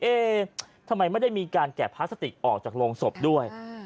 เอ๊ทำไมไม่ได้มีการแกะพลาสติกออกจากโรงศพด้วย